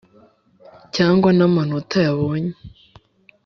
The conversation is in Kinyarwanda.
cyangwa na manota yabonye,